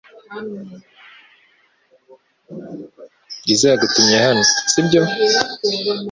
Bwiza yagutumye hano, sibyo?